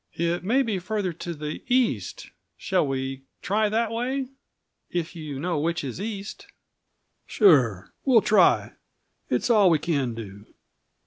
"It may be farther to the east; shall we try that way if you know which is east?" "Sure, we'll try. It's all we can do.